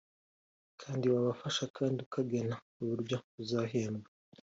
Kandi wabafasha kandi akagena uburyo azahembwa